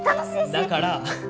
だから！